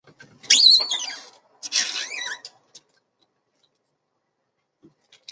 这个故事关系到林瑞间的婚姻。